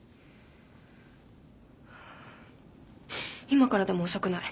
今からでも遅くない。